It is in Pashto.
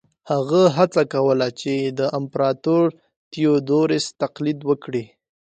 هغه هڅه کوله چې د امپراتور تیوودروس تقلید وکړي.